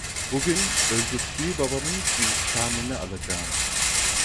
Bugün öldürttüğü babamın intikamını alacağım.